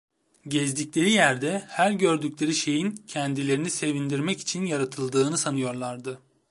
Gezdikleri yerde her gördükleri şeyin kendilerini sevindirmek için yaratıldığını sanıyorlardı.